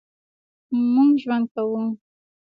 مونږ ژوند کوو